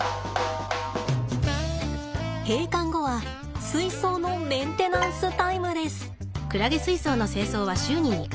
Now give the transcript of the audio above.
閉館後は水槽のメンテナンスタイムです。